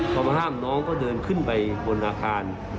พอมาห้ามน้องก็เดินขึ้นไปบนอาคาร